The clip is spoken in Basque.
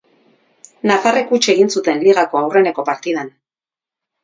Nafarrek huts egin zuten ligako aurreneko partidan.